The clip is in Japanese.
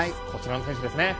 こちらの選手。